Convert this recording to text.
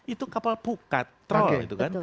itu kapal pukat troll itu kan